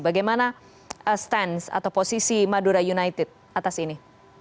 bagaimana stance atau posisi madura united atas ini